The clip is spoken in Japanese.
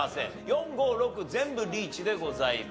４５６全部リーチでございます。